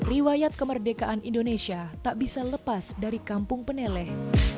riwayat kemerdekaan indonesia tak bisa lepas dari kampung peneleh